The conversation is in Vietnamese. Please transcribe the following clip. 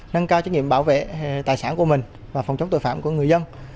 nâng cao trách nhiệm bảo vệ tài sản của mình và phòng chống tội phạm của người dân